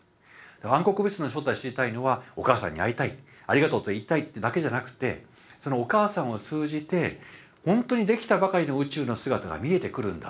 暗黒物質の正体を知りたいのはお母さんに会いたいありがとうと言いたいってだけじゃなくてそのお母さんを通じてほんとにできたばかりの宇宙の姿が見えてくるんだ。